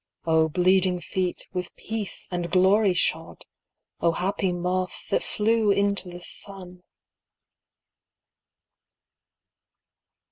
O bleeding feet, with peace and glory shod! O happy moth, that flew into the Sun!